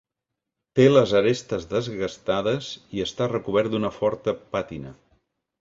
Té les arestes desgastades i està recobert d’una forta pàtina.